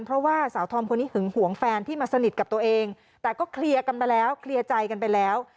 เพราะว่าสาวธอมคนนี้หึงหวงแฟนที่มาสนิทกับตัวเองแต่ก็เคลียร์กันไปแล้วเคลียร์ใจกันไปแล้ว